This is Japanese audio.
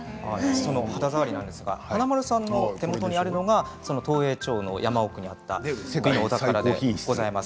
その肌触りなんですが華丸さんの手元にあるのが東栄町の山奥にあった世界のお宝でございます。